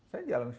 saya jalan ke situ